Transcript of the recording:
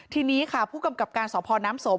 ทีนี้ค่ะผู้กำกับการสพน้ำสม